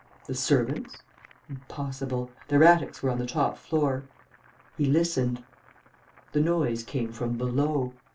The servants? Impossible. Their attics were on the top floor. He listened. The noise came from below.